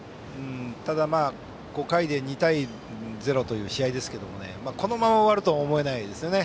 ただ、５回で２対０という試合ですがこのまま終わるとは思えないですよね。